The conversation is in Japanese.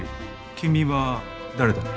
君は誰だね？